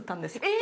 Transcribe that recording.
え！